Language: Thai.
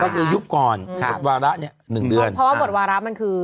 ก็คือยุคก่อนหมดวาระเนี้ยหนึ่งเดือนเพราะว่าบทวาระมันคือ